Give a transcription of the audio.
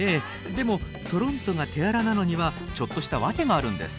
でもトロントが手荒なのにはちょっとしたワケがあるんです。